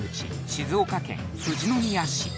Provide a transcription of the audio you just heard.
静岡県富士宮市